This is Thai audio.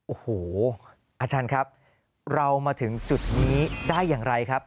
โอ้โหอาจารย์ครับเรามาถึงจุดนี้ได้อย่างไรครับ